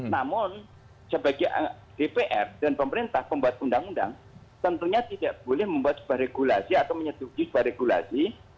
namun sebagai dpr dan pemerintah pembuat undang undang tentunya tidak boleh membuat sebuah regulasi atau menyetujui sebuah regulasi